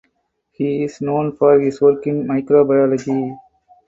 He is known for his work in microbiology.